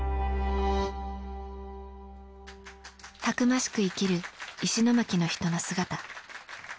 たくましく生きる石巻の人の姿。